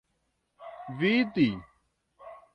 vidi